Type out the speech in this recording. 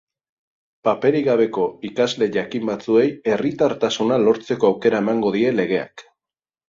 Paperik gabeko ikasle jakin batzuei herritartasuna lortzeko aukera emango die legeak.